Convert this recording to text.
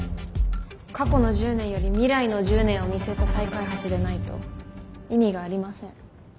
過去の１０年より未来の１０年を見据えた再開発でないと意味がありません。